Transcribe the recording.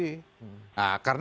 nah karena memang interpelasi